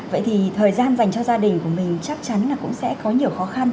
vậy thì thời gian dành cho gia đình của mình chắc chắn là cũng sẽ có nhiều khó khăn